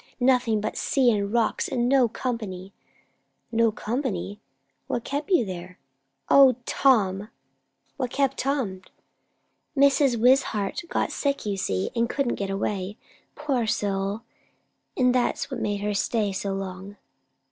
Nothing but sea and rocks, and no company!" "No company! What kept you there?" "O, Tom!" "What kept Tom?" "Mrs. Wishart got sick, you see, and couldn't get away, poor soul! and that made her stay so long."